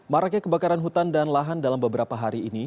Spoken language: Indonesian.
maraknya kebakaran hutan dan lahan dalam beberapa hari ini